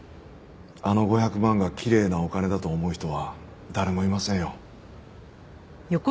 あの５００万がきれいなお金だと思う人は誰もいませんよ。